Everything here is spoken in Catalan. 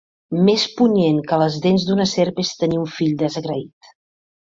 Més punyent que les dents d'una serp és tenir un fill desagraït